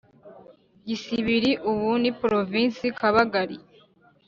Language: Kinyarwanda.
gisibiri (ubu ni provinsi kabagari).